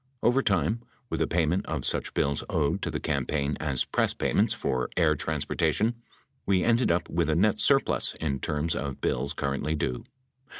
Over time, with the payment of such bills owed to the campaign as press payments for air transportation, we ended up with a net surplus in terms of bills currently due.